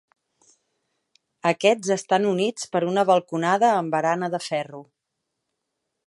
Aquests estan units per una balconada amb barana de ferro.